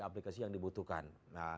aplikasi yang dibutuhkan